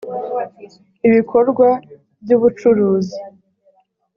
ibikorwa by ubucuruzi